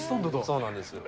そうなんです。